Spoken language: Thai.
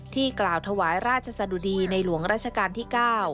กล่าวถวายราชสะดุดีในหลวงราชการที่๙